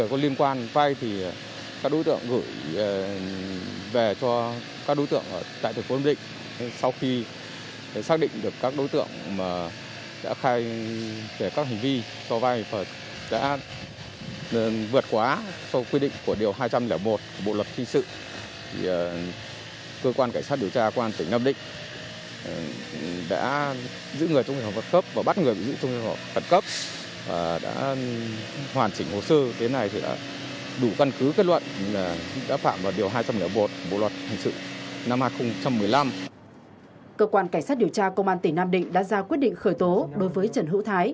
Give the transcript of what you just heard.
cơ quan cảnh sát điều tra công an tỉnh nam định đã ra quyết định khởi tố đối với trần hữu thái